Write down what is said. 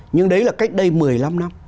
nhưng đấy là cách đây một mươi năm năm